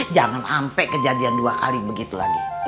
jangan sampai kejadian dua kali begitu lagi